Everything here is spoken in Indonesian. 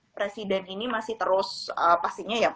presiden ini masih terus pastinya ya